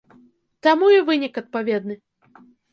Таму і вынік адпаведны.